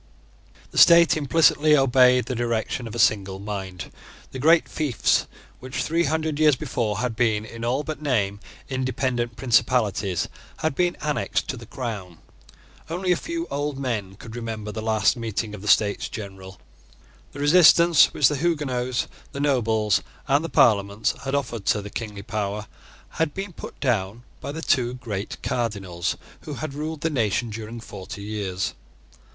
The state implicitly obeyed the direction of a single mind. The great fiefs which, three hundred years before, had been, in all but name, independent principalities, had been annexed to the crown. Only a few old men could remember the last meeting of the States General. The resistance which the Huguenots, the nobles, and the parliaments had offered to the kingly power, had been put down by the two great Cardinals who had ruled the nation during forty years.